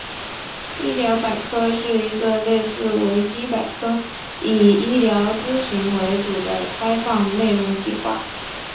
医疗百科是一个类似维基百科以医疗资讯为主的开放内容计划。